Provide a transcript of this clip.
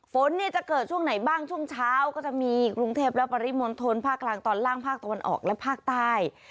ฝนเนี่ยจะเกิดช่วงไหนบ้างช่วงเช้าก็จะมีกรุงเทพและปริมณฑลภาคกลางตอนล่างภาคตะวันออกและภาคใต้